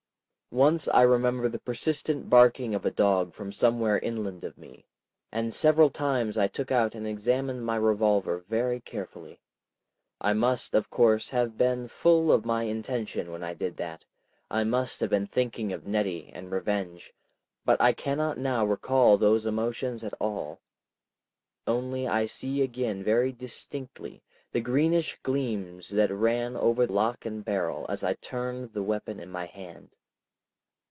Once I remember the persistent barking of a dog from somewhere inland of me, and several times I took out and examined my revolver very carefully. I must, of course, have been full of my intention when I did that, I must have been thinking of Nettie and revenge, but I cannot now recall those emotions at all. Only I see again very distinctly the greenish gleams that ran over lock and barrel as I turned the weapon in my hand.